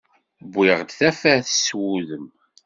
Wwiɣ-d tafat, s wudem.